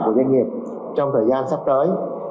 của doanh nghiệp trong thời gian sắp tới